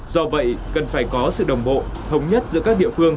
do vậy cần phải có sự đồng bộ thống nhất giữa các địa phương